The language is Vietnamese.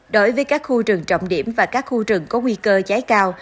đối với các khu rừng trọng điểm và các khu rừng có nguy cơ cháy cao